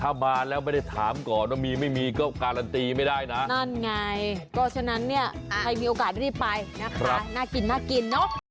ถ้ามาแล้วไม่ได้ถามก่อนว่ามีไม่มีก็การันตีไม่ได้นะนั่นไงก็ฉะนั้นเนี่ยใครมีโอกาสรีบไปนะคะน่ากินน่ากินเนอะ